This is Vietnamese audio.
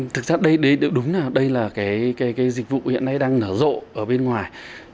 thực ra đây đúng là dịch vụ hiện nay đang nở rộ ở bên ngoài